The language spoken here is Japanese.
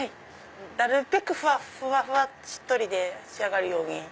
なるべくふわふわしっとりで仕上がるように。